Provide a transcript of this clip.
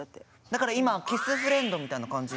だから今キスフレンドみたいな感じ？